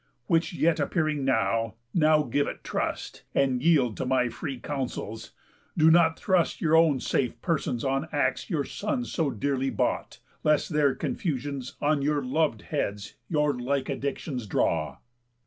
Which yet appearing now, now give it trust, And yield to my free counsels: Do not thrust Your own safe persons on the acts your sons So dearly bought, lest their confusions On your lov'd heads your like addictions draw."